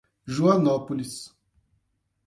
Joanópolis